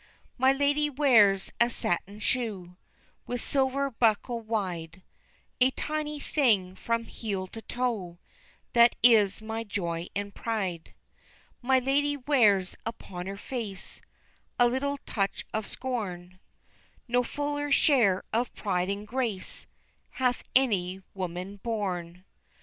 My ladye wears a satin shoe, With silver buckle wide, A tiny thing from heel to toe That is my joy and pride. My ladye wears upon her face A little touch of scorn, No fuller share of pride and grace Hath any woman born.